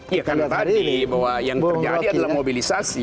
iya karena tadi yang terjadi adalah mobilisasi